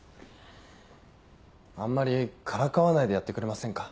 あんまりからかわないでやってくれませんか。